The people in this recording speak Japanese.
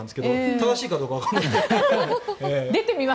正しいかどうかわからないけど。